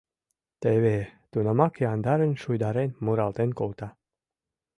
Теве... — тунамак яндарын шуйдарен муралтен колта: